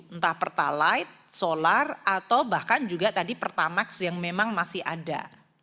entah pertalite solar atau bahkan juga tadi pertamax yang memang masih ada